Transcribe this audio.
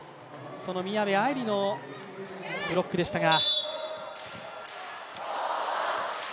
その宮部藍梨のブロックでしたが。